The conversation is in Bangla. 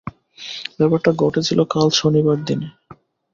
ব্যাপারটা ঘটেছিল কাল শনিবার দিনে।